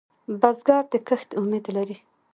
بزګر د کښت امید لري